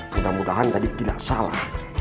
mudah mudahan tadi tidak salah